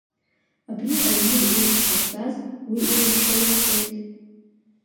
Абри аҩны еиԥш ҟазҵаз, уи илымшои, — рҳәеит.